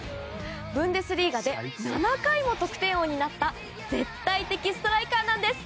ブンデスリーガで７回も得点王になった絶対的ストライカーなんです。